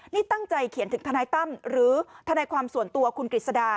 นี่ตั้งใจเขียนถึงทนายตั้มหรือทนายความส่วนตัวคุณกฤษดา